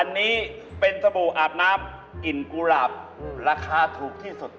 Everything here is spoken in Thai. อันนี้เป็นสบู่อาบน้ำกลิ่นกุหลาบราคาถูกที่สุด